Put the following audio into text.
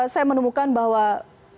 saya menemukan bahwa penjualan